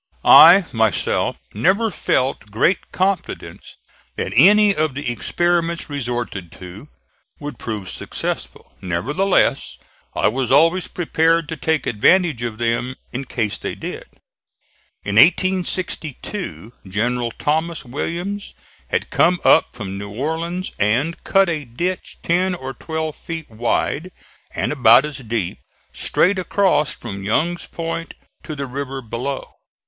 I, myself, never felt great confidence that any of the experiments resorted to would prove successful. Nevertheless I was always prepared to take advantage of them in case they did. In 1862 General Thomas Williams had come up from New Orleans and cut a ditch ten or twelve feet wide and about as deep, straight across from Young's Point to the river below.